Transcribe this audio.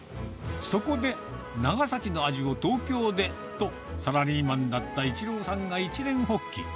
そこで長崎の味を東京でと、サラリーマンだった一朗さんが一念発起。